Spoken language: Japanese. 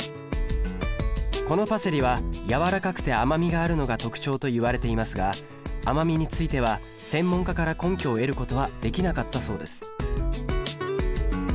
このパセリはやわらかくて甘みがあるのが特徴といわれていますが甘みについては専門家から根拠を得ることはできなかったそうです